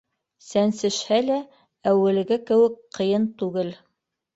Сәнсешһә лә әүәлге кеүек ҡыйын түгел.